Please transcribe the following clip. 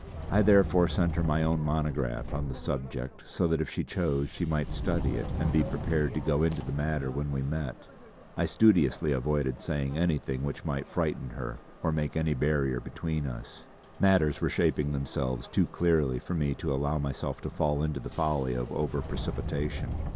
I therefore sent her my own monograph on the subject so that if she chose she might study it and be prepared to go into the matter when we met. I studiously avoided saying anything which might frighten her or make any barrier between us; matters were shaping themselves too clearly for me to allow myself to fall into the folly of over precipitation.